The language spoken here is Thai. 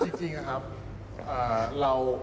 แล้วจริงนะครับ